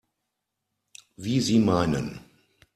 Wie Sie meinen.